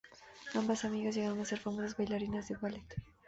Ambas amigas llegaron a ser famosas bailarinas de ballet.